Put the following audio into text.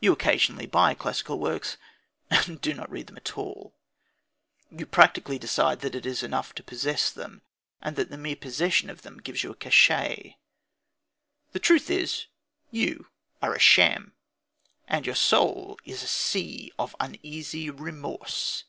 You occasionally buy classical works, and do not read them at all; you practically decide that it is enough to possess them, and that the mere possession of them gives you a cachet. The truth is, you are a sham. And your soul is a sea of uneasy remorse.